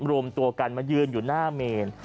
รวมตัวกันมายืนอยู่หน้าเมน